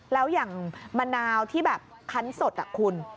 แล้วอย่างมะนาวที่แบบคันสดคุณ